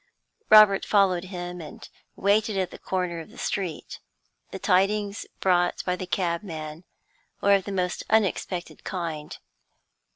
Robert followed him, and waited at the corner of the street. The tidings brought by the cabman were of the most unexpected kind.